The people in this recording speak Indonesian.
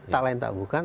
tak lain tak bukan